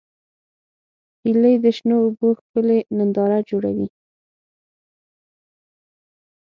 هیلۍ د شنو اوبو ښکلې ننداره جوړوي